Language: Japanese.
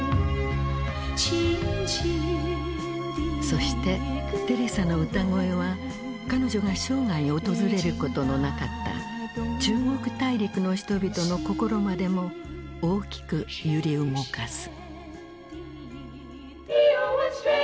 そしてテレサの歌声は彼女が生涯訪れることのなかった中国大陸の人々の心までも大きく揺り動かす。